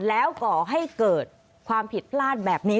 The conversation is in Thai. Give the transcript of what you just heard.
แล้วก่อให้เกิดความผิดพลาดแบบนี้